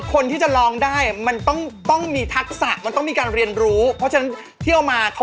ก็เลยมองว่า๓คนยังมีโอกาสอยู่โอ้โฮอืมฝอมล่ะคะ